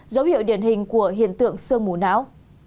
dấu hiệu điển hình của hiện tượng sương mù não